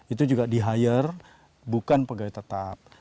itu juga di hire bukan pegawai tetap